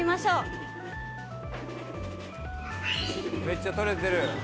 「めっちゃ撮れてる」